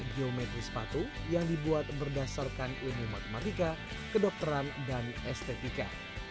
geometri sepatu yang dibuat berdasarkan ilmu matematika kedokteran dan estetika